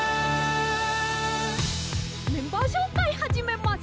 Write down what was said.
「メンバーしょうかいはじめます！